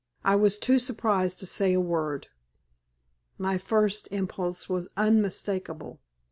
I was too surprised to say a word." My first impulse was unmistakable.